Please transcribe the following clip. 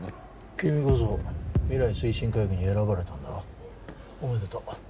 君こそ未来推進会議に選ばれたんだろおめでとう